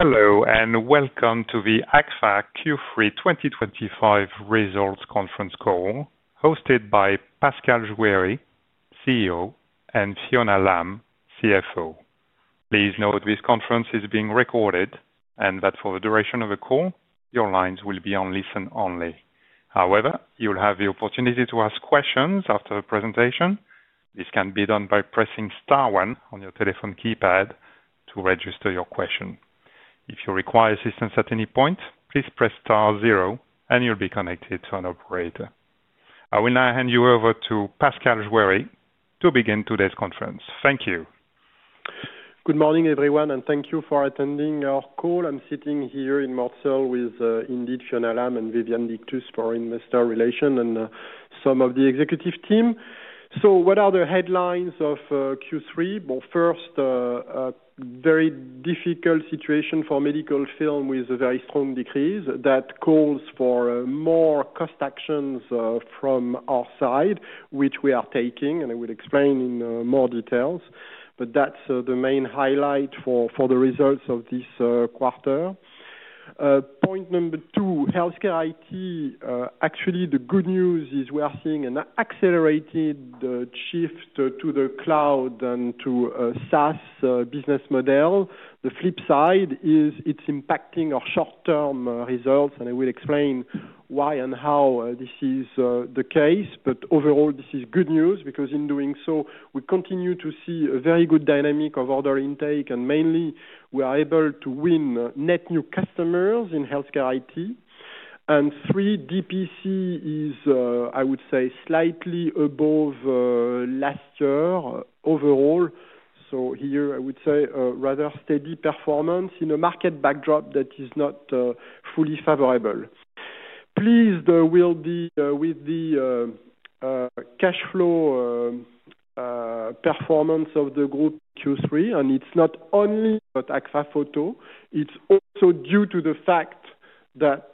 Hello, and welcome to the Agfa-Gevaert 2025 Results Conference call, hosted by Pascal Juéry, CEO, and Fiona Lam, CFO. Please note this conference is being recorded and that for the duration of the call, your lines will be on listen only. However, you'll have the opportunity to ask questions after the presentation. This can be done by pressing star 1 on your telephone keypad to register your question. If you require assistance at any point, please press star zero, and you'll be connected to an operator. I will now hand you over to Pascal Juéry to begin today's conference. Thank you. Good morning, everyone, and thank you for attending our call. I'm sitting here in Marseille with Indeed Fiona Lam and Viviane Dictus for investor relations and some of the executive team. So what are the headlines of Q3? Well, first, a very difficult situation for medical film with a very strong decrease that calls for more cost actions from our side, which we are taking, and I will explain in more details. But that's the main highlight for the results of this quarter. Point number two, HealthCare IT. Actually, the good news is we are seeing an accelerated shift to the cloud and to a SaaS business model. The flip side is it's impacting our short-term results, and I will explain why and how this is the case. But overall, this is good news because in doing so, we continue to see a very good dynamic of order intake, and mainly, we are able to win net new customers in HealthCare IT. And three, DPC is, I would say, slightly above last year overall. So here, I would say a rather steady performance in a market backdrop that is not fully favorable. Pleased will be with the cash flow performance of the group Q3, and it's not only AgfaPhoto. It's also due to the fact that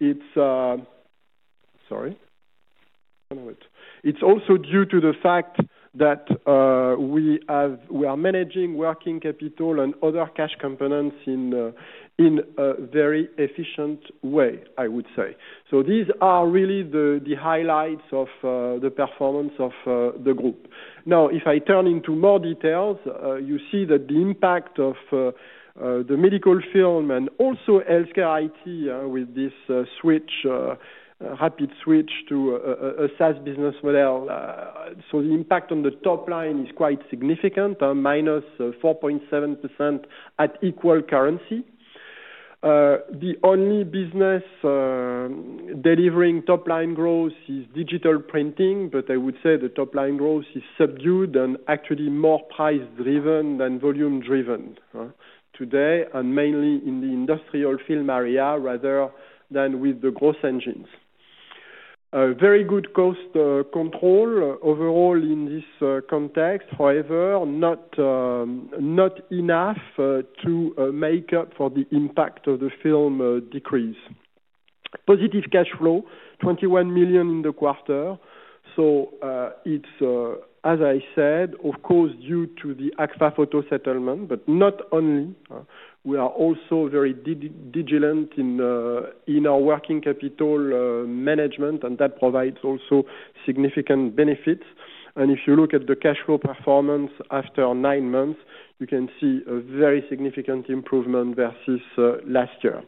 it's—sorry. It's also due to the fact that we are managing working capital and other cash components in a very efficient way, I would say. So these are really the highlights of the performance of the group. Now, if I turn into more details, you see that the impact of the medical film and also HealthCare IT with this rapid switch to a SaaS business model. The impact on the top line is quite significant, minus 4.7% at equal currency. The only business delivering top-line growth is Digital Printing, but I would say the top-line growth is subdued and actually more price-driven than volume-driven today, and mainly in the industrial film area, rather than with the gross engines. Very good cost control overall in this context, however, not enough to make up for the impact of the film decrease. Positive cash flow, 21 million in the quarter. It's, as I said, of course, due to the AgfaPhoto settlement, but not only. We are also very diligent in our working capital management, and that provides also significant benefits. And if you look at the cash flow performance after nine months, you can see a very significant improvement versus last year.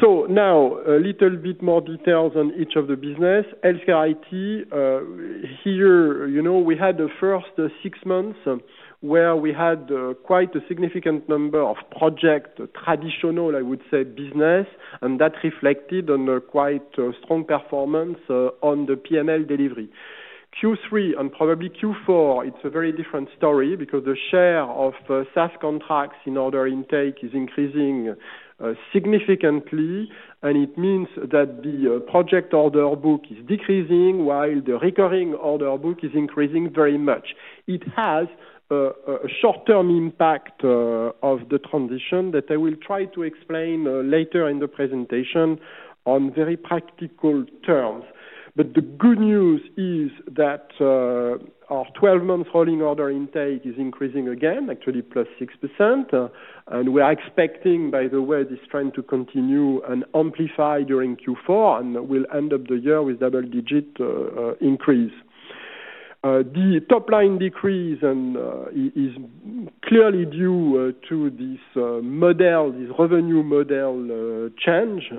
So now, a little bit more details on each of the businesses. HealthCare IT, here, we had the first six months where we had quite a significant number of projects, traditional, I would say, business, and that reflected on quite strong performance on the PML delivery. Q3 and probably Q4, it's a very different story because the share of SaaS contracts in order intake is increasing significantly, and it means that the project order book is decreasing while the recurring order book is increasing very much. It has a short-term impact of the transition that I will try to explain later in the presentation on very practical terms. The good news is that our 12-month rolling order intake is increasing again, actually plus 6%, and we are expecting, by the way, this trend to continue and amplify during Q4, and we'll end up the year with double-digit increase. The top-line decrease is clearly due to this revenue model change,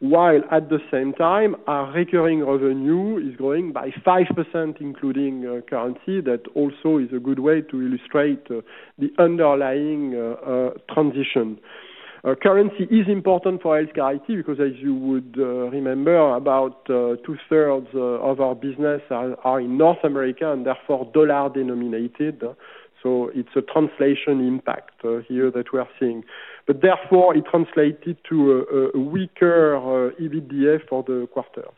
while at the same time, our recurring revenue is growing by 5%, including currency. That also is a good way to illustrate the underlying transition. Currency is important for HealthCare IT because, as you would remember, about two-thirds of our business are in North America and therefore dollar-denominated. So it's a translation impact here that we are seeing. Therefore, it translated to a weaker EBITDA for the quarter.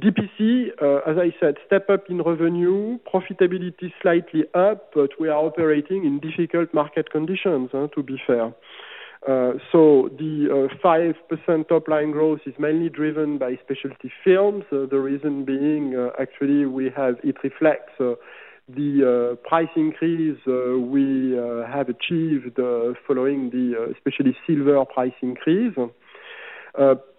DPC, as I said, step up in revenue, profitability slightly up, but we are operating in difficult market conditions, to be fair. So the 5% top-line growth is mainly driven by specialty films, the reason being actually we have it reflects the price increase we have achieved following the especially silver price increase.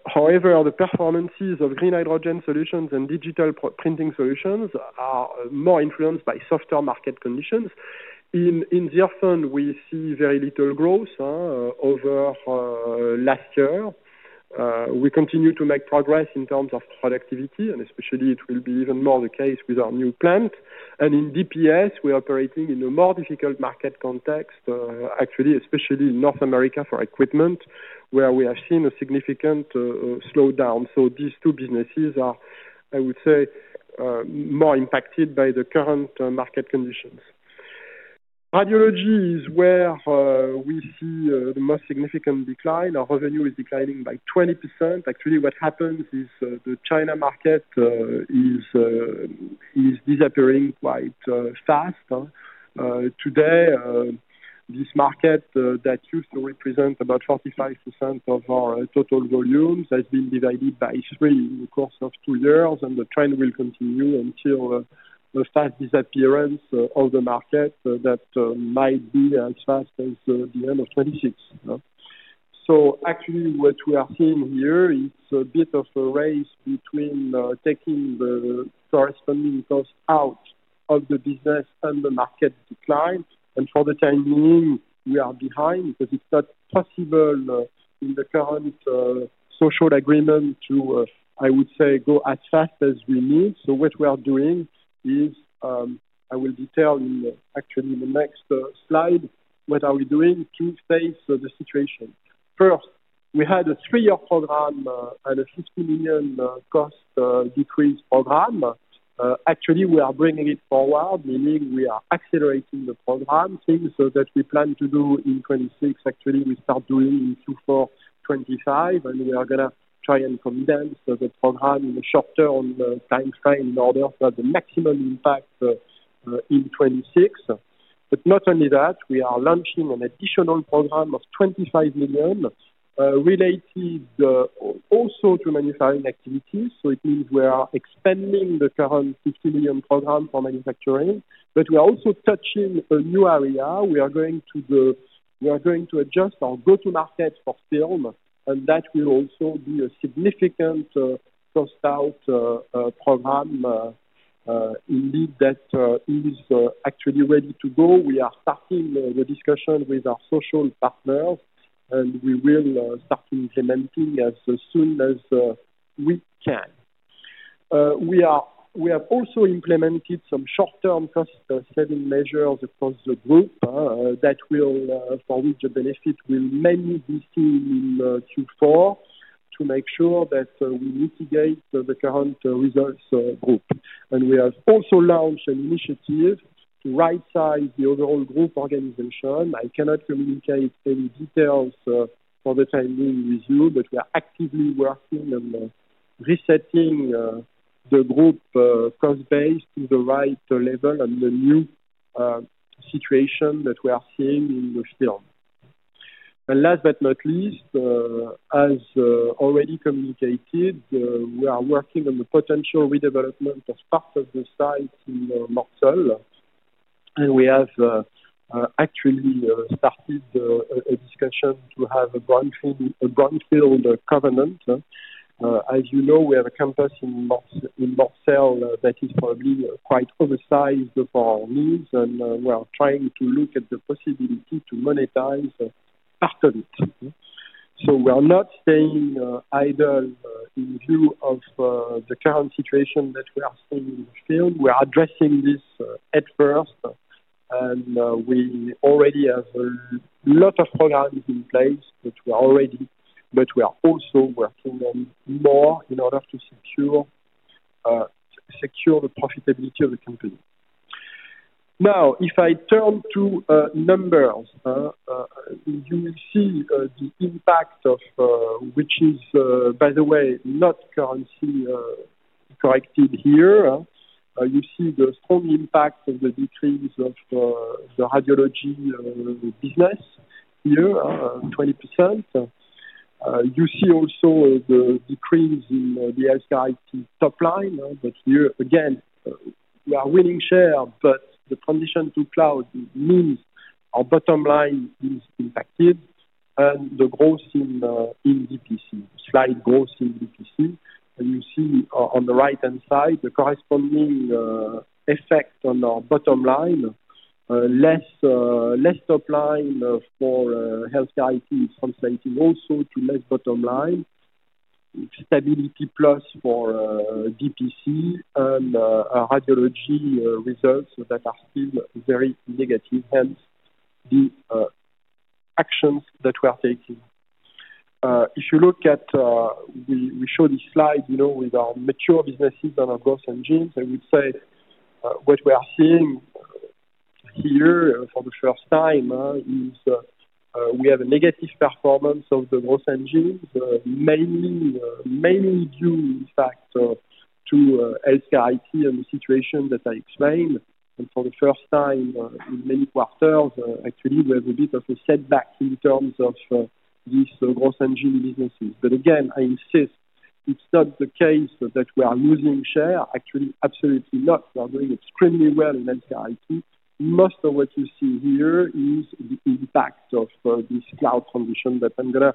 However, the performances of green hydrogen solutions and digital printing solutions are more influenced by softer market conditions. In Deerfen, we see very little growth over last year. We continue to make progress in terms of productivity, and especially it will be even more the case with our new plant. And in DPS, we are operating in a more difficult market context, actually, especially in North America for equipment, where we have seen a significant slowdown. So these two businesses are, I would say, more impacted by the current market conditions. Radiology is where we see the most significant decline. Our revenue is declining by 20%. Actually, what happens is the China market is disappearing quite fast. Today, this market that used to represent about 45% of our total volumes has been divided by three in the course of two years, and the trend will continue until a fast disappearance of the market that might be as fast as the end of '26. So actually, what we are seeing here, it's a bit of a race between taking the corresponding cost out of the business and the market decline. And for the time being, we are behind because it's not possible in the current social agreement to, I would say, go as fast as we need. So what we are doing is I will detail in actually the next slide what are we doing to face the situation. First, we had a three-year program and a 50 million cost decrease program. Actually, we are bringing it forward, meaning we are accelerating the program. Things that we plan to do in '26, actually we start doing in Q4 '25, and we are going to try and condense the program in the short-term timeframe in order to have the maximum impact in '26. But not only that, we are launching an additional program of 25 million related also to manufacturing activities. So it means we are expanding the current 50 million program for manufacturing, but we are also touching a new area. We are going to adjust our go-to-market for film, and that will also be a significant cost-out program indeed that is actually ready to go. We are starting the discussion with our social partners, and we will start implementing as soon as we can. We have also implemented some short-term cost-setting measures across the group that will for which the benefit will mainly be seen in Q4 to make sure that we mitigate the current results group. And we have also launched an initiative to right-size the overall group organization. I cannot communicate any details for the time being with you, but we are actively working on resetting the group cost base to the right level and the new situation that we are seeing in the film. And last but not least, as already communicated, we are working on the potential redevelopment of parts of the site in Marseille. And we have actually started a discussion to have a brownfield covenant. As you know, we have a campus in Marseille that is probably quite oversized for our needs, and we are trying to look at the possibility to monetize part of it. So we are not staying idle in view of the current situation that we are seeing in the field. We are addressing this at first, and we already have a lot of programs in place that we are already, but we are also working on more in order to secure the profitability of the company. Now, if I turn to numbers, you will see the impact of which is, by the way, not currency corrected here. You see the strong impact of the decrease of the radiology business here, 20%. You see also the decrease in the HealthCare IT top line, but here, again, we are winning share, but the transition to cloud means our bottom line is impacted and the growth in DPC, the slight growth in DPC. And you see on the right-hand side, the corresponding effect on our bottom line. Less top line for HealthCare IT is translating also to less bottom line. Stability plus for DPC and radiology results that are still very negative, hence the actions that we are taking. If you look at we show this slide with our mature businesses and our growth engines, I would say what we are seeing here for the first time is we have a negative performance of the growth engines, mainly due, in fact, to HealthCare IT and the situation that I explained. And for the first time in many quarters, actually, we have a bit of a setback in terms of these growth engine businesses. But again, I insist, it's not the case that we are losing share. Actually, absolutely not. We are doing extremely well in HealthCare IT. Most of what you see here is the impact of this cloud transition that I'm going to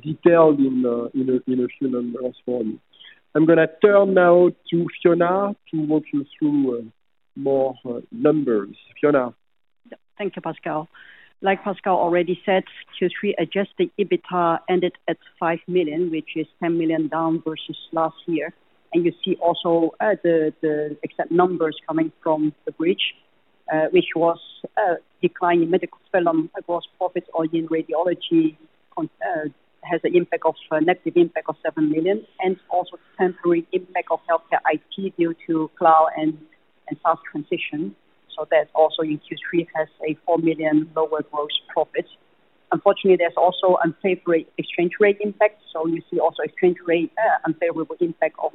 detail in a few numbers for you. I'm going to turn now to Fiona to walk you through more numbers. Fiona. Thank you, Pascal. Like Pascal already said, Q3 Adjusted EBITDA ended at 5 million, which is 10 million down versus last year. And you see also the exact numbers coming from the bridge, which was a decline in medical film across profit-oriented radiology has a negative impact of 7 million, and also temporary impact of HealthCare IT due to cloud and SaaS transition. So that also in Q3 has a 4 million lower gross profit. Unfortunately, there's also unfavorable exchange rate impact. So you see also exchange rate unfavorable impact of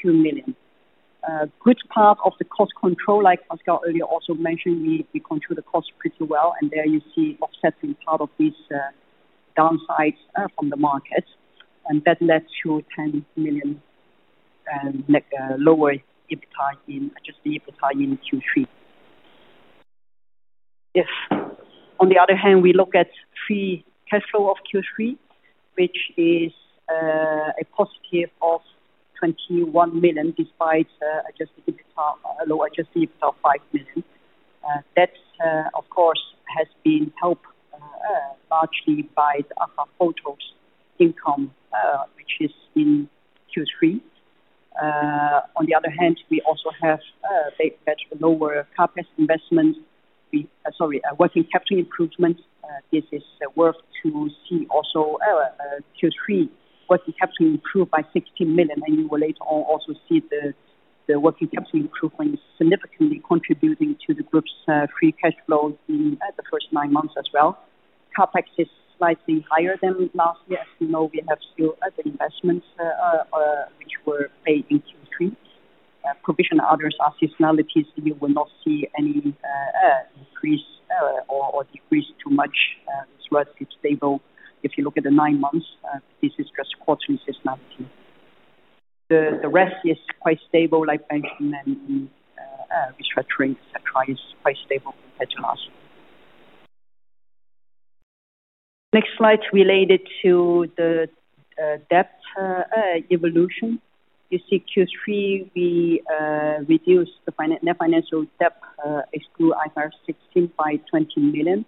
2 million. Good part of the cost control, like Pascal earlier also mentioned, we control the cost pretty well, and there you see offsetting part of these downsides from the market. And that led to 10 million lower EBITDA in Adjusted EBITDA in Q3. Yes. On the other hand, we look at free cash flow of Q3, which is a positive of 21 million despite Adjusted EBITDA lower Adjusted EBITDA of 5 million. That, of course, has been helped largely by the AgfaPhotos income, which is in Q3. On the other hand, we also have lower CAPEX investment. Sorry, working capital improvement. This is worth to see also Q3 working capital improved by 16 million. And you will later on also see the working capital improvement is significantly contributing to the group's free cash flow in the first nine months as well. CAPEX is slightly higher than last year. As you know, we have still the investments which were paid in Q3. Provision and other seasonalities, you will not see any increase or decrease too much. It's relatively stable. If you look at the nine months, this is just quarterly seasonality. The rest is quite stable, like mentioned, and restructuring, etc., is quite stable compared to last year. Next slide related to the debt evolution. You see Q3, we reduced the net financial debt excluding IFRS 16 by 20 million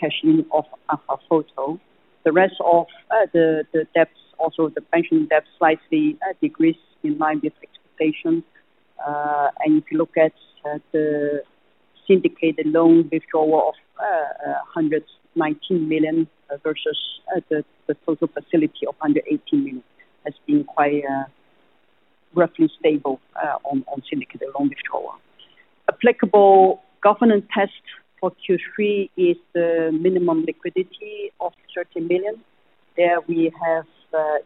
with the cashing of AgfaPhoto. The rest of the debts, also the pension debt, slightly decreased in line with expectations. And if you look at the syndicated loan withdrawal of 119 million versus the total facility of 118 million, it has been quite roughly stable on syndicated loan withdrawal. Applicable governance test for Q3 is the minimum liquidity of 30 million. There we have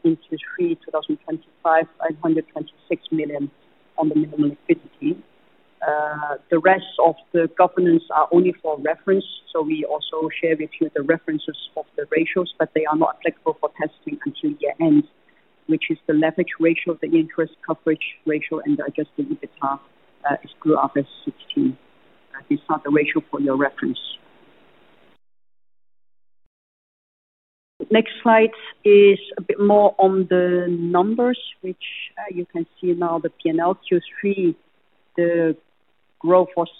in Q3 2025, 126 million on the minimum liquidity. The rest of the governance are only for reference. So we also share with you the references of the ratios, but they are not applicable for testing until year end, which is the leverage ratio, the interest coverage ratio, and the Adjusted EBITDA excluding IFRS 16. This is not the ratio for your reference. Next slide is a bit more on the numbers, which you can see now the P&L Q3, the growth was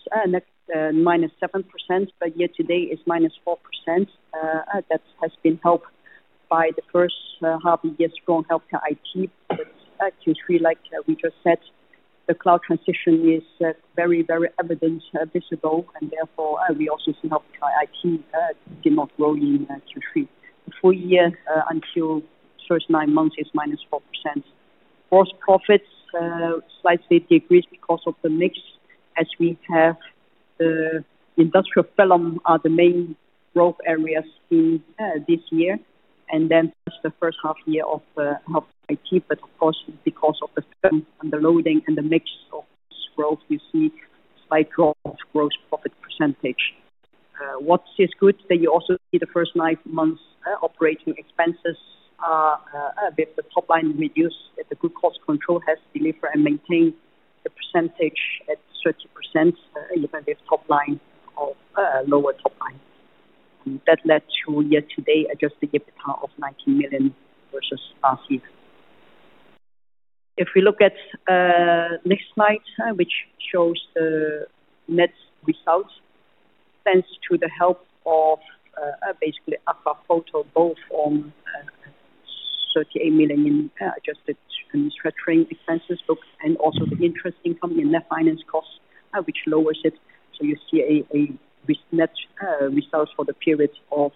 minus 7%, but year to date is minus 4%. That has been helped by the first half a year strong HealthCare IT. But Q3, like we just said, the cloud transition is very, very evident this year, and therefore we also see HealthCare IT did not grow in Q3. The full year until first nine months is minus 4%. Gross profits slightly decreased because of the mix as we have the industrial film are the main growth areas this year. And then just the first half year of HealthCare IT, but of course because of the film underloading and the mix of this growth, you see slight drop of gross profit percentage. What's this good that you also see the first nine months operating expenses with the top line reduced at the good cost control has delivered and maintained the percentage at 30% even with top line or lower top line. That led to year to date Adjusted EBITDA of 19 million versus last year. If we look at next slide, which shows the net results thanks to the help of basically AgfaPhoto both on 38 million in adjusted and restructuring expenses book and also the interest income and net finance costs, which lowers it. So you see a net result for the period of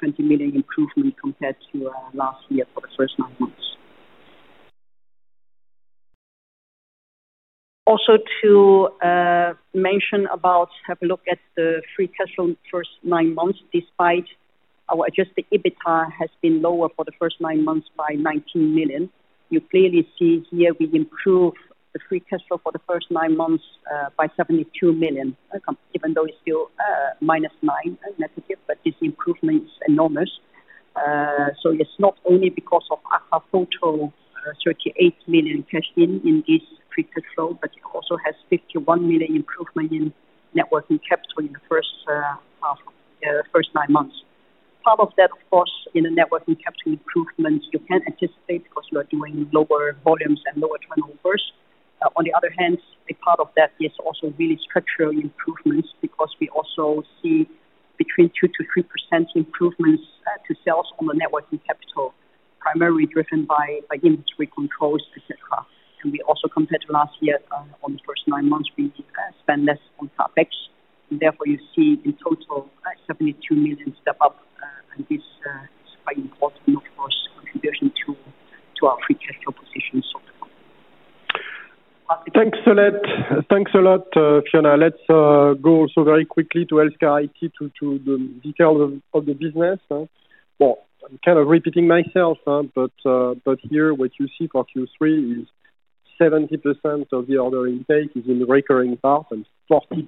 20 million improvement compared to last year for the first nine months. Also to mention about have a look at the free cash flow in the first nine months despite our Adjusted EBITDA has been lower for the first nine months by 19 million. You clearly see here we improve the free cash flow for the first nine months by 72 million, even though it's still minus 9 negative, but this improvement is enormous. So it's not only because of AgfaPhoto 38 million cash in in this free cash flow, but it also has 51 million improvement in networking capital in the first nine months. Part of that, of course, in the networking capital improvement, you can anticipate because we are doing lower volumes and lower turnovers. On the other hand, a part of that is also really structural improvements because we also see between 2 to 3% improvements to sales on the networking capital, primarily driven by industry controls, etc. And we also compared to last year on the first nine months, we spend less on CAPEX. And therefore you see in total 72 million step up, and this is quite important, of course, contribution to our free cash flow position so far. Thanks a lot. Thanks a lot, Fiona. Let's go also very quickly to HealthCare IT to the details of the business. Well, I'm kind of repeating myself, but here what you see for Q3 is 70% of the order intake is in recurring part and 40%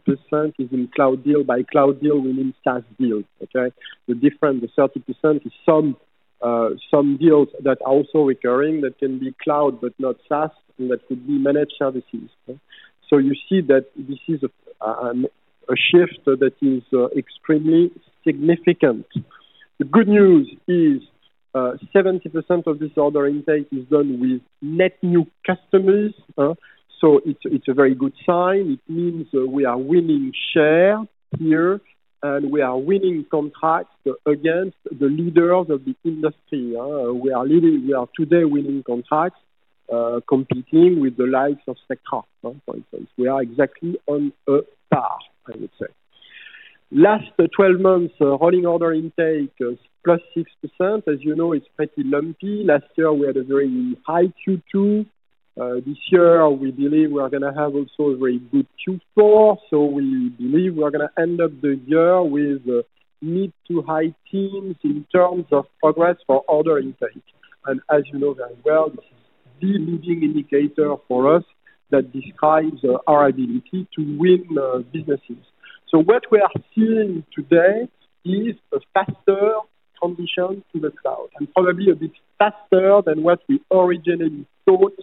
is in cloud deal by cloud deal within SaaS deal. Okay? The different, the 30% is some deals that are also recurring that can be cloud but not SaaS, and that could be managed services. So you see that this is a shift that is extremely significant. The good news is 70% of this order intake is done with net new customers. So it's a very good sign. It means we are winning share here, and we are winning contracts against the leaders of the industry. We are today winning contracts competing with the likes of Secfa, for instance. We are exactly on a par, I would say. Last 12 months, rolling order intake is plus 6%. As you know, it's pretty lumpy. Last year, we had a very high Q2. This year, we believe we're going to have also a very good Q4. So we believe we're going to end up the year with mid to high teams in terms of progress for order intake. And as you know very well, this is the leading indicator for us that describes our ability to win businesses. So what we are seeing today is a faster transition to the cloud and probably a bit faster than what we originally thought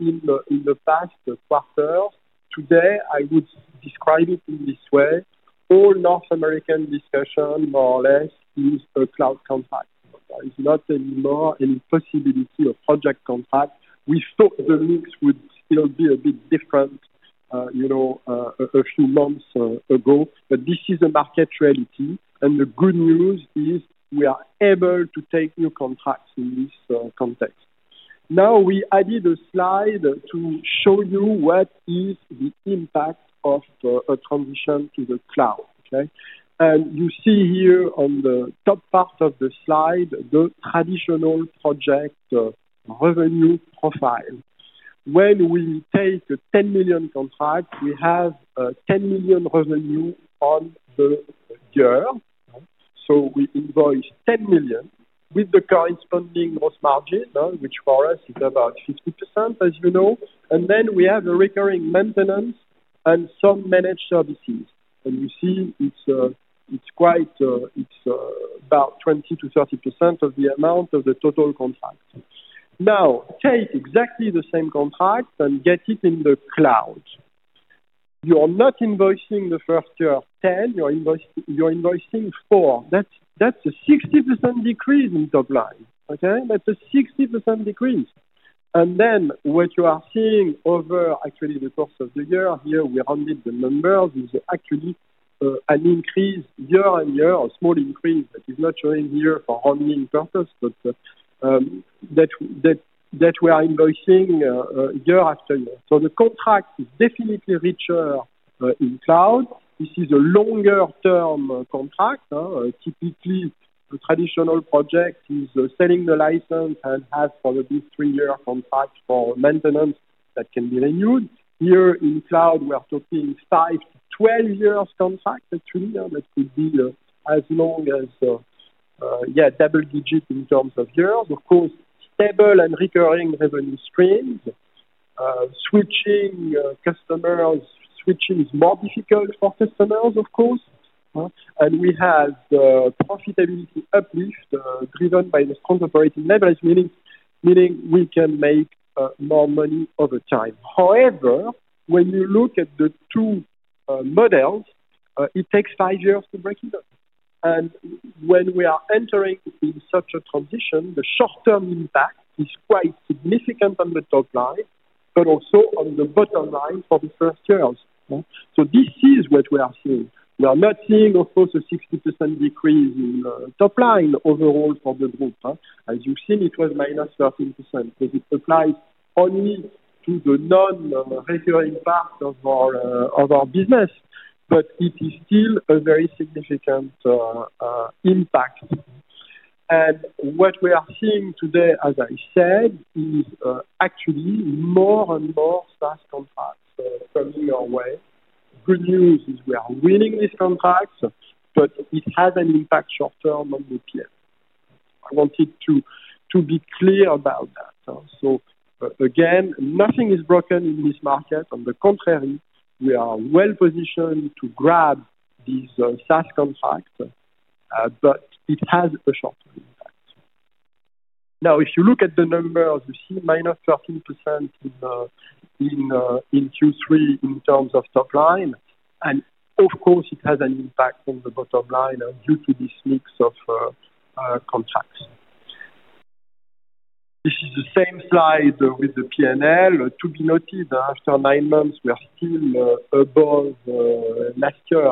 in the past quarters. Today, I would describe it in this way. All North American discussion, more or less, is a cloud contract. There is not anymore any possibility of project contract. We thought the mix would still be a bit different a few months ago, but this is a market reality. And the good news is we are able to take new contracts in this context. Now we added a slide to show you what is the impact of a transition to the cloud. Okay? And you see here on the top part of the slide, the traditional project revenue profile. When we take 10 million contracts, we have 10 million revenue on the year. So we invoice 10 million with the corresponding gross margin, which for us is about 50%, as you know. And then we have a recurring maintenance and some managed services. And you see it's about 20 to 30% of the amount of the total contract. Now, take exactly the same contract and get it in the cloud. You are not invoicing the first year 10, you're invoicing 4. That's a 60% decrease in top line. Okay? That's a 60% decrease. And then what you are seeing over actually the course of the year here, we rounded the numbers, is actually an increase year on year, a small increase that is not showing here for rounding purpose, but that we are invoicing year after year. So the contract is definitely richer in cloud. This is a longer-term contract. Typically, the traditional project is selling the license and has probably three-year contract for maintenance that can be renewed. Here in cloud, we are talking 5 to 12 years contract, actually. That could be as long as, yeah, double digit in terms of years. Of course, stable and recurring revenue streams. Switching customers is more difficult for customers, of course. And we have profitability uplift driven by the strong operating leverage, meaning we can make more money over time. However, when you look at the two models, it takes five years to break even. And when we are entering in such a transition, the short-term impact is quite significant on the top line, but also on the bottom line for the first years. So this is what we are seeing. We are not seeing, of course, a 60% decrease in top line overall for the group. As you've seen, it was minus 13% because it applies only to the non-recurring part of our business, but it is still a very significant impact. And what we are seeing today, as I said, is actually more and more SaaS contracts coming our way. Good news is we are winning these contracts, but it has an impact short-term on the P&L. I wanted to be clear about that. So again, nothing is broken in this market. On the contrary, we are well positioned to grab these SaaS contracts, but it has a short-term impact. Now, if you look at the numbers, you see minus 13% in Q3 in terms of top line. And of course, it has an impact on the bottom line due to this mix of contracts. This is the same slide with the P&L. To be noted, after nine months, we are still above last year.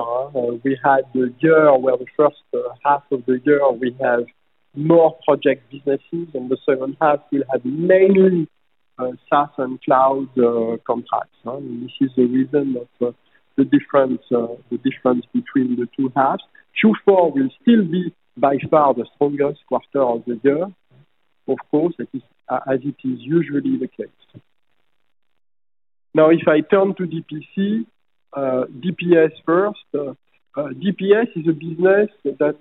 We had the year where the first half of the year, we have more project businesses, and the second half, we have mainly SaaS and cloud contracts. This is the reason of the difference between the two halves. Q4 will still be by far the strongest quarter of the year, of course, as it is usually the case. Now, if I turn to DPC, DPS first, DPS is a business that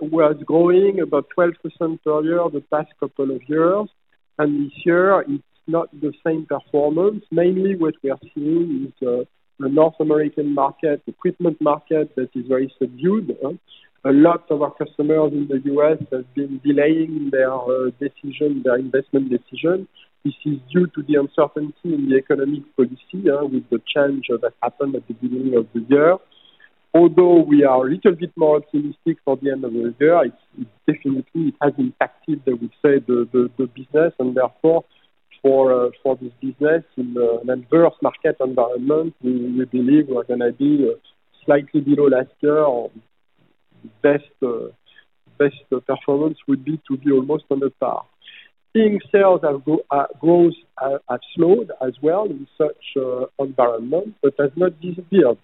was growing about 12% per year the past couple of years. And this year, it's not the same performance. Mainly what we are seeing is the North American market, the equipment market that is very subdued. A lot of our customers in the U.S. have been delaying their investment decision. This is due to the uncertainty in the economic policy with the change that happened at the beginning of the year. Although we are a little bit more optimistic for the end of the year, it definitely has impacted, I would say, the business. And therefore, for this business in an adverse market environment, we believe we're going to be slightly below last year. Best performance would be to be almost on the par. Being sales have slowed as well in such environment, but has not disappeared.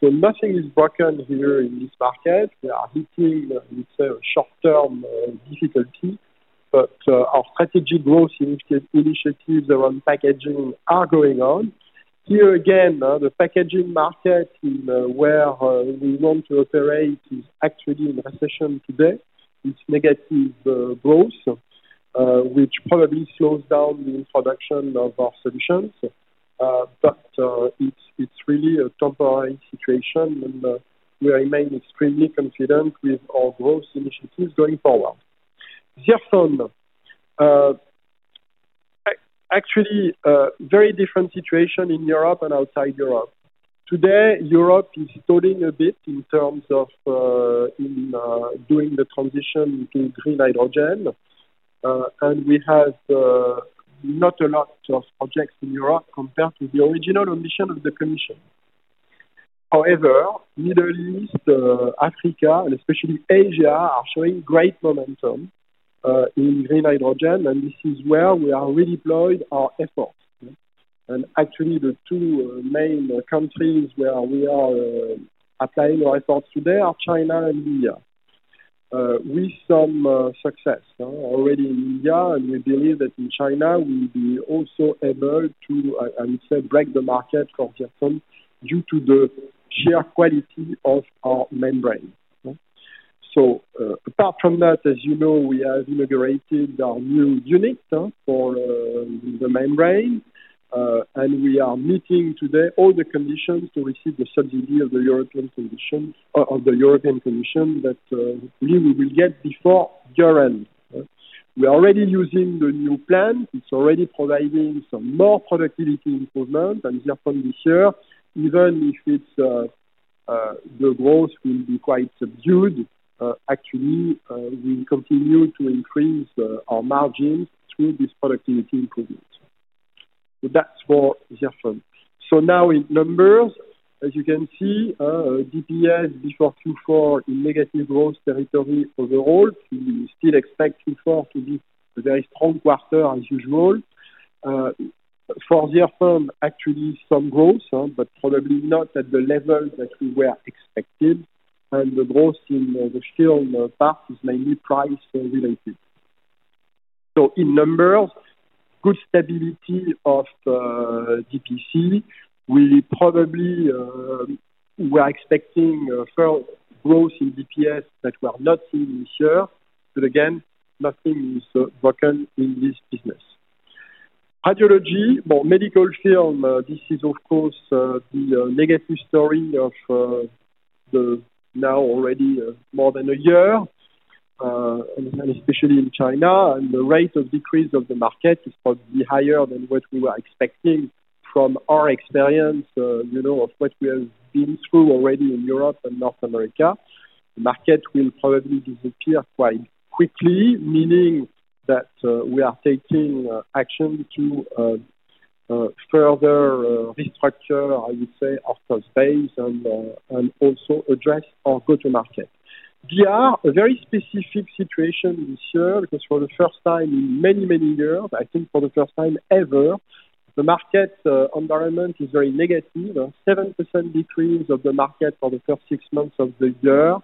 So nothing is broken here in this market. We are hitting, I would say, a short-term difficulty, but our strategy growth initiatives around packaging are going on. Here again, the packaging market where we want to operate is actually in recession today. It's negative growth, which probably slows down the introduction of our solutions. But it's really a temporary situation, and we remain extremely confident with our growth initiatives going forward. Zirfon. Actually, very different situation in Europe and outside Europe. Today, Europe is stalling a bit in terms of doing the transition to green hydrogen, and we have not a lot of projects in Europe compared to the original ambition of the Commission. However, Middle East, Africa, and especially Asia are showing great momentum in green hydrogen, and this is where we are redeploying our efforts. And actually, the two main countries where we are applying our efforts today are China and India, with some success already in India. And we believe that in China, we will be also able to, I would say, break the market for Zirfon due to the sheer quality of our membrane. So apart from that, as you know, we have inaugurated our new unit for the membrane, and we are meeting today all the conditions to receive the subsidy of the European Commission that we will get before year-end. We are already using the new plant. It's already providing some more productivity improvement and Zirfon this year. Even if the growth will be quite subdued, actually, we continue to increase our margins through this productivity improvement. So that's for Zirfon. So now in numbers, as you can see, DPS before Q4 in negative growth territory overall. We still expect Q4 to be a very strong quarter as usual. For Zirfon, actually, some growth, but probably not at the level that we were expected. And the growth in the shield part is mainly price-related. So in numbers, good stability of DPC. We probably were expecting growth in DPS that we are not seeing this year. But again, nothing is broken in this business. Radiology, well, medical field, this is, of course, the negative story of the now already more than a year, and especially in China. And the rate of decrease of the market is probably higher than what we were expecting from our experience of what we have been through already in Europe and North America. The market will probably disappear quite quickly, meaning that we are taking action to further restructure, I would say, our space and also address our go-to-market. DR, a very specific situation this year because for the first time in many, many years, I think for the first time ever, the market environment is very negative. 7% decrease of the market for the first six months of the year,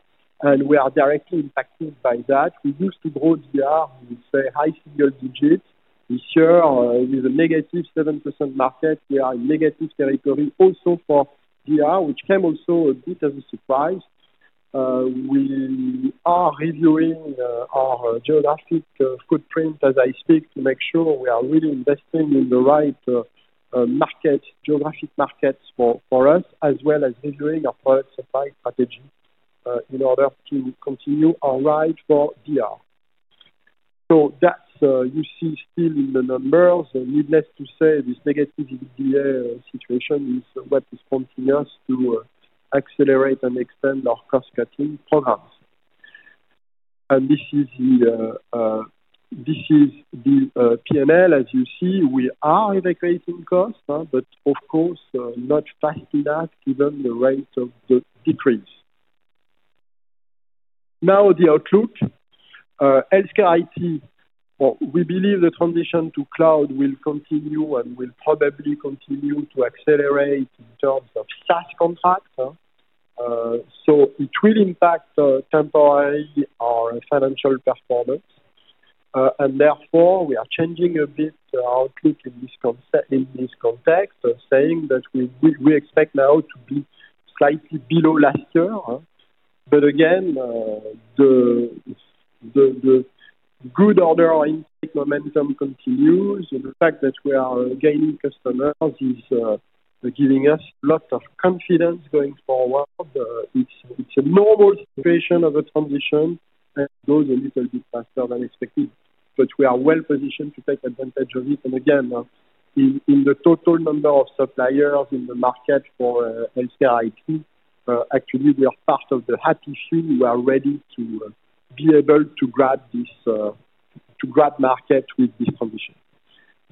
and we are directly impacted by that. We used to grow DR, we would say, high single digits. This year, with a negative 7% market, we are in negative territory also for DR, which came also a bit as a surprise. We are reviewing our geographic footprint as I speak to make sure we are really investing in the right geographic markets for us, as well as reviewing our product supply strategy in order to continue our ride for DR. So that's, you see, still in the numbers. Needless to say, this negative situation is what is prompting us to accelerate and extend our cost-cutting programs. And this is the P&L, as you see. We are evacuating costs, but of course, not fast enough given the rate of the decrease. Now, the outlook. HealthCare IT, we believe the transition to cloud will continue and will probably continue to accelerate in terms of SaaS contracts. So it will impact temporarily our financial performance. And therefore, we are changing a bit our outlook in this context, saying that we expect now to be slightly below last year. But again, the good order intake momentum continues. The fact that we are gaining customers is giving us lots of confidence going forward. It's a normal situation of a transition and goes a little bit faster than expected. But we are well positioned to take advantage of it. And again, in the total number of suppliers in the market for HealthCare IT, actually, we are part of the happy few who are ready to be able to grab market with this transition.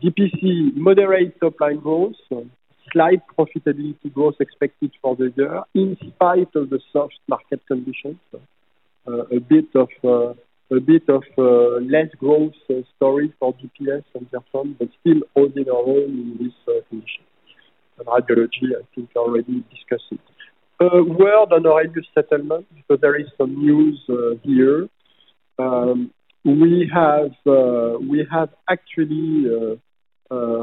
DPC, moderate top-line growth, slight profitability growth expected for the year in spite of the soft market conditions. A bit of less growth story for DPS and Zirfon, but still holding our own in this condition. Radiology, I think, already discussed it. Word on a regular settlement because there is some news here. We have actually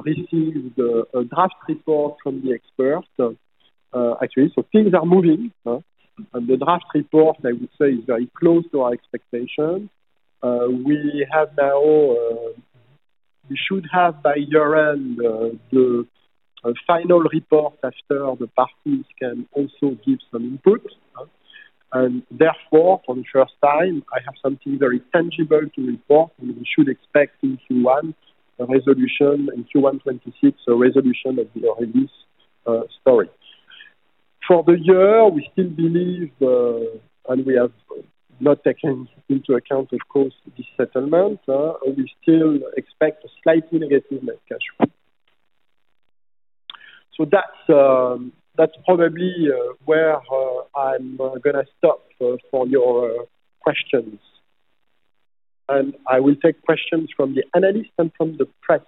received a draft report from the experts. Actually, so things are moving. And the draft report, I would say, is very close to our expectations. We should have by year-end the final report after the parties can also give some input. And therefore, for the first time, I have something very tangible to report, and we should expect Q1 resolution and Q1-26 resolution of the release story. For the year, we still believe, and we have not taken into account, of course, this settlement, we still expect a slightly negative net cash flow. So that's probably where I'm going to stop for your questions. And I will take questions from the analysts and from the press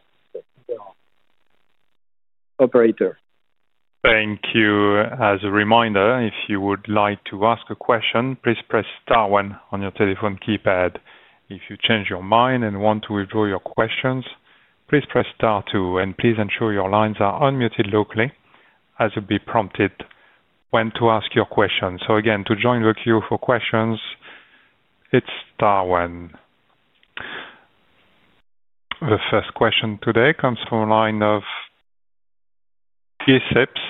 operator. Thank you. As a reminder, if you would like to ask a question, please press star one on your telephone keypad. If you change your mind and want to withdraw your questions, please press star two. And please ensure your lines are unmuted locally as you'll be prompted when to ask your question. So again, to join the queue for questions, it's star one. The first question today comes from a line of Guy Sips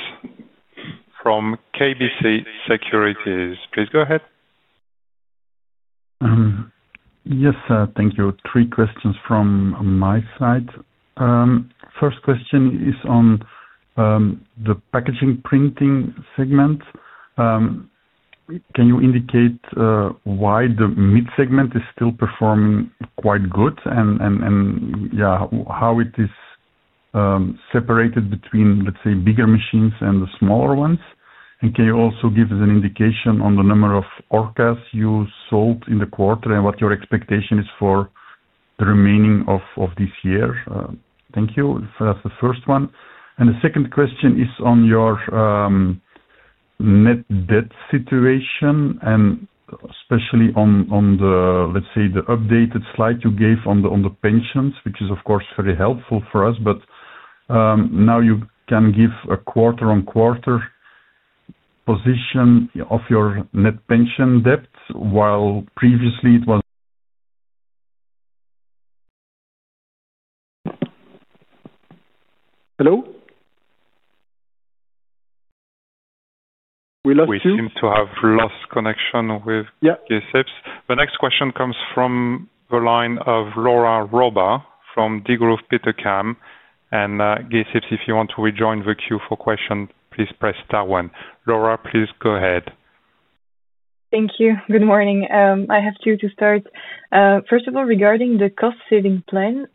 from KBC Securities. Please go ahead. Yes, thank you. Three questions from my side. First question is on the packaging printing segment. Can you indicate why the mid-segment is still performing quite good and how it is separated between, let's say, bigger machines and the smaller ones? And can you also give us an indication on the number of orcas you sold in the quarter and what your expectation is for the remaining of this year? Thank you. That's the first one. And the second question is on your net debt situation, and especially on the, let's say, the updated slide you gave on the pensions, which is, of course, very helpful for us. But now you can give a quarter-on-quarter position of your net pension debt while previously it was. Hello? We lost you. We seem to have lost connection with Guy Sips. The next question comes from the line of Laura Roba from Degroof Petercam. And Guy Sips, if you want to rejoin the queue for questions, please press star one. Laura, please go ahead. Thank you. Good morning. I have two to start. First of all, regarding the cost-saving plan,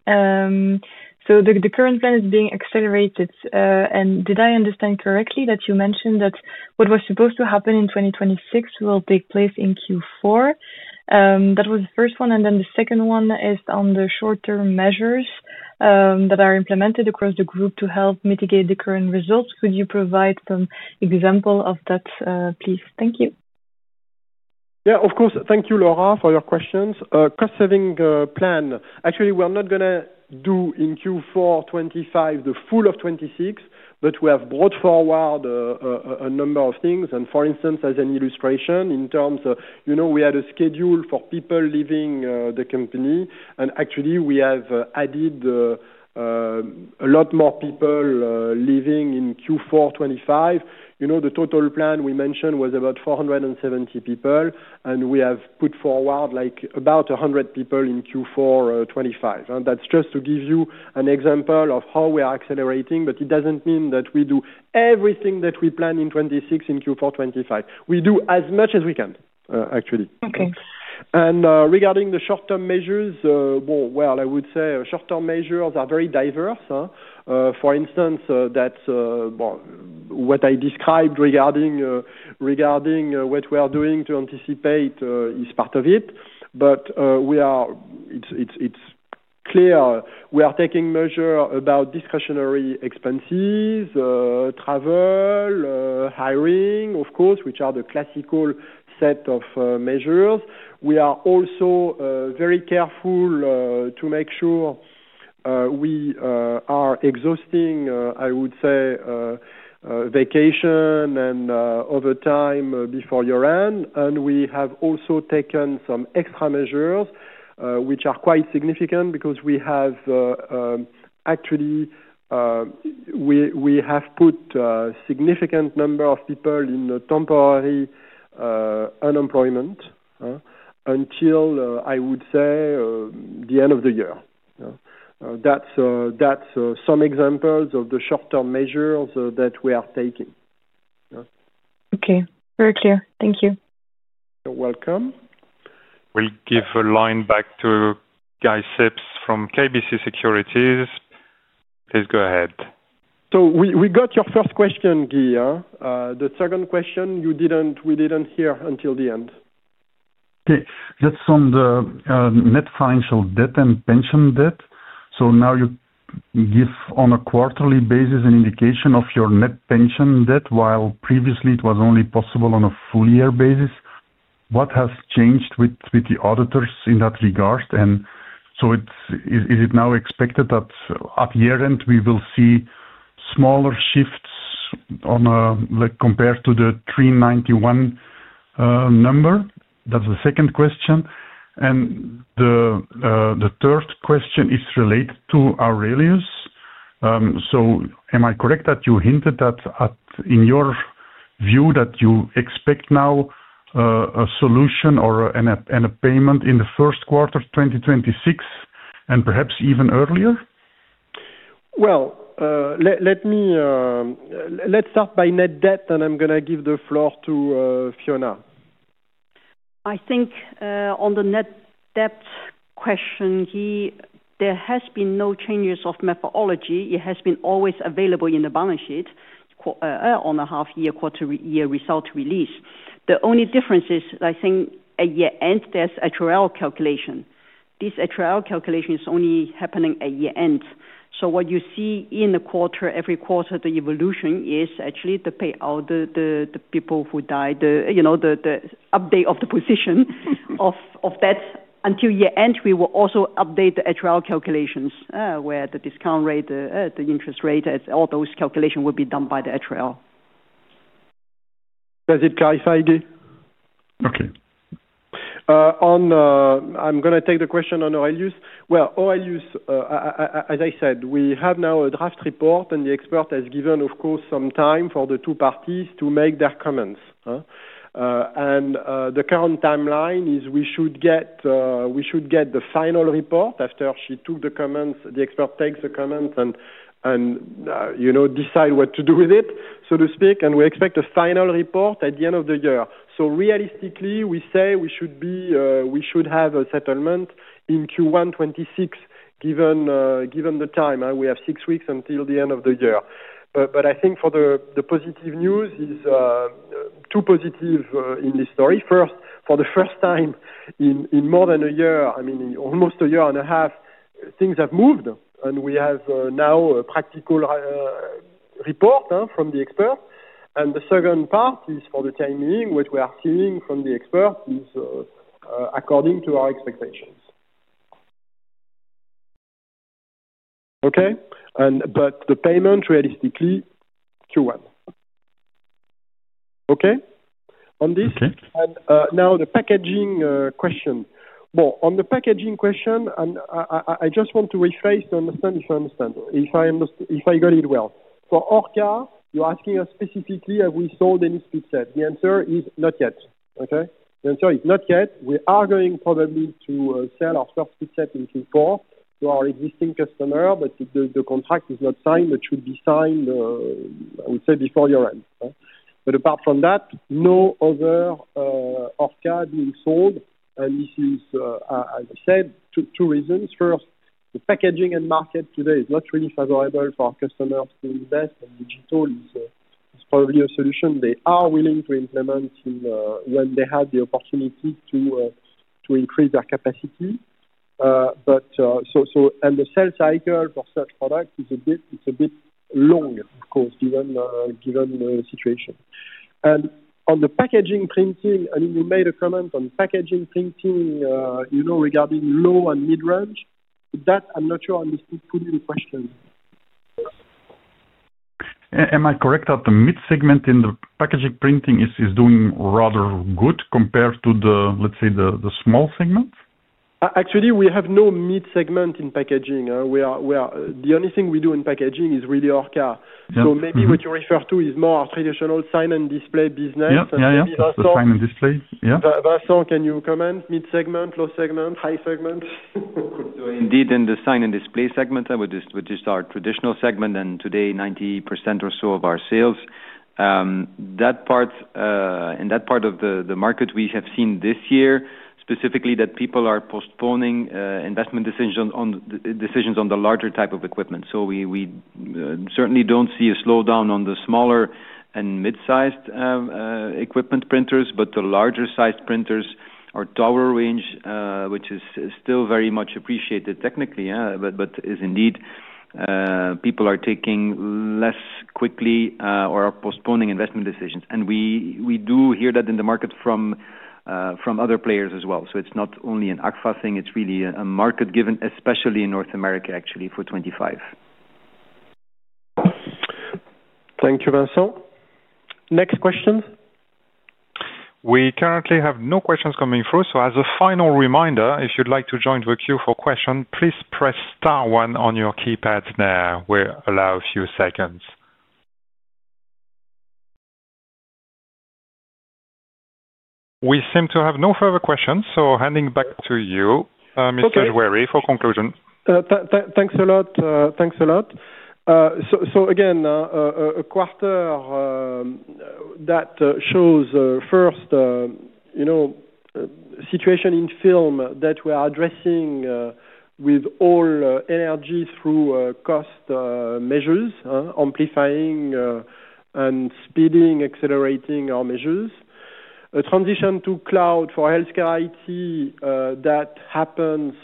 so the current plan is being accelerated. And did I understand correctly that you mentioned that what was supposed to happen in 2026 will take place in Q4? That was the first one. And then the second one is on the short-term measures that are implemented across the group to help mitigate the current results. Could you provide some example of that, please? Thank you. Yeah, of course. Thank you, Laura, for your questions. Cost-saving plan. Actually, we are not going to do in Q4-25 the full of '26, but we have brought forward a number of things. And for instance, as an illustration, in terms of we had a schedule for people leaving the company. And actually, we have added a lot more people leaving in Q4-25. The total plan we mentioned was about 470 people, and we have put forward about 100 people in Q4-25. And that's just to give you an example of how we are accelerating, but it doesn't mean that we do everything that we plan in '26 in Q4-25. We do as much as we can, actually. And regarding the short-term measures, well, I would say short-term measures are very diverse. For instance, what I described regarding what we are doing to anticipate is part of it. But it's clear we are taking measure about discretionary expenses, travel, hiring, of course, which are the classical set of measures. We are also very careful to make sure we are exhausting, I would say, vacation and overtime before year-end. And we have also taken some extra measures, which are quite significant because we have actually put a significant number of people in temporary unemployment until, I would say, the end of the year. That's some examples of the short-term measures that we are taking. Okay. Very clear. Thank you. You're welcome. We'll give a line back to Guy Sips from KBC Securities. Please go ahead. So we got your first question, Guy. The second question, we didn't hear until the end. Okay. That's on the net financial debt and pension debt. So now you give on a quarterly basis an indication of your net pension debt while previously it was only possible on a full-year basis. What has changed with the auditors in that regard? And so is it now expected that at year-end we will see smaller shifts compared to the 391 number? That's the second question. And the third question is related to our earliest. So am I correct that you hinted that in your view that you expect now a solution or a payment in the first quarter of 2026 and perhaps even earlier? Well, let's start by net debt, and I'm going to give the floor to Fiona. I think on the net debt question, Guy, there has been no changes of methodology. It has been always available in the balance sheet on a half-year, quarter-year result release. The only difference is, I think, at year-end, there's HRL calculation. This HRL calculation is only happening at year-end. So what you see in the quarter, every quarter, the evolution is actually the payout, the people who died, the update of the position of debt. Until year-end, we will also update the HRL calculations where the discount rate, the interest rate, all those calculations will be done by the HRL. Does it clarify, Guy? Okay. I'm going to take the question on earliest. Well, earliest, as I said, we have now a draft report, and the expert has given, of course, some time for the two parties to make their comments. And the current timeline is we should get the final report after she took the comments, the expert takes the comments, and decide what to do with it, so to speak. And we expect a final report at the end of the year. So realistically, we say we should have a settlement in Q1-26 given the time. We have six weeks until the end of the year. But I think for the positive news is two positives in this story. First, for the first time in more than a year, I mean, almost a year and a half, things have moved, and we have now a practical report from the expert. And the second part is for the timing, what we are seeing from the expert is according to our expectations. Okay? But the payment, realistically, Q1. Okay? On this. And now the packaging question. Well, on the packaging question, I just want to rephrase to understand if I understand, if I got it well. For orca, you're asking us specifically, have we sold any speed set? The answer is not yet. Okay? The answer is not yet. We are going probably to sell our first speed set in Q4 to our existing customer, but the contract is not signed, but should be signed, I would say, before year-end. But apart from that, no other orca being sold. And this is, as I said, two reasons. First, the packaging and market today is not really favorable for our customers to invest in digital. It's probably a solution they are willing to implement when they have the opportunity to increase their capacity. And the sales cycle for such products is a bit long, of course, given the situation. And on the packaging printing, I mean, you made a comment on packaging printing regarding low and mid-range. That I'm not sure I understood fully the question. Am I correct that the mid-segment in the packaging printing is doing rather good compared to the, let's say, the small segment? Actually, we have no mid-segment in packaging. The only thing we do in packaging is really orca. So maybe what you refer to is more traditional sign and display business. Yeah, yeah. The sign and display. Yeah. Vincent, can you comment? Mid-segment, low-segment, high-segment? Indeed, in the sign and display segment, which is our traditional segment, and today, 90% or so of our sales, in that part of the market, we have seen this year specifically that people are postponing investment decisions on the larger type of equipment. So we certainly don't see a slowdown on the smaller and mid-sized equipment printers, but the larger-sized printers or tower range, which is still very much appreciated technically, but indeed, people are taking less quickly or are postponing investment decisions. And we do hear that in the market from other players as well. So it's not only an Agfa thing. It's really a market given, especially in North America, actually, for '25. Thank you, Vincent. Next question? We currently have no questions coming through. So as a final reminder, if you'd like to join the queue for questions, please press star one on your keypad there. We'll allow a few seconds. We seem to have no further questions, so handing back to you, Mr. Juery, for conclusion. Thanks a lot. Thanks a lot. So again, a quarter that shows, first, situation in film that we are addressing with all energy through cost measures, amplifying and speeding, accelerating our measures. A transition to cloud for HealthCare IT that happens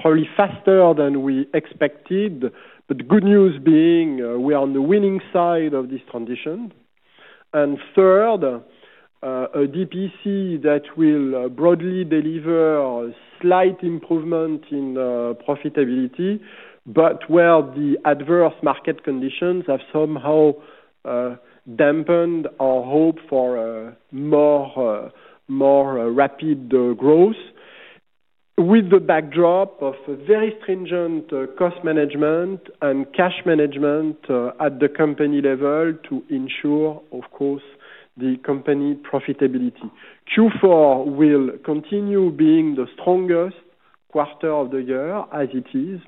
probably faster than we expected. But good news being we are on the winning side of this transition. And third, a DPC that will broadly deliver slight improvement in profitability, but where the adverse market conditions have somehow dampened our hope for more rapid growth, with the backdrop of very stringent cost management and cash management at the company level to ensure, of course, the company profitability. Q4 will continue being the strongest quarter of the year as it is,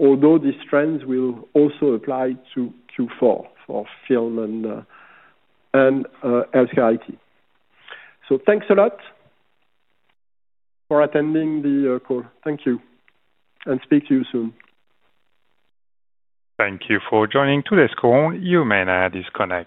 although these trends will also apply to Q4 for film and HealthCare IT. So thanks a lot for attending the call. Thank you. And speak to you soon. Thank you for joining today's call. You may now disconnect.